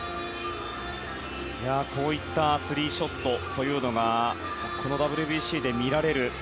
こうしたスリーショットがこのＷＢＣで見られる。